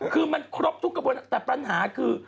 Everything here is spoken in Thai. คือมันครบทุกกระบวนแต่ปัญหาคือ